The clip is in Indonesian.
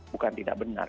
bukan tidak benar